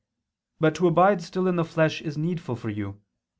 But to abide still in the flesh is needful for you.